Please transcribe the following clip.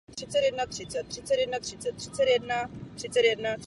Cesta výstavy kolem světa měla více dopadů.